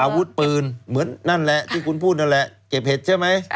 อาวุธปืนเหมือนนั่นแหละที่คุณพูดนั่นแหละเก็บเห็ดใช่ไหม